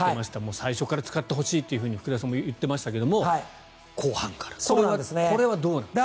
最初から使ってほしいと福田さんも言ってましたが後半からこれはどうなんですか。